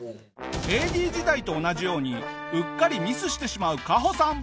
ＡＤ時代と同じようにうっかりミスしてしまうカホさん。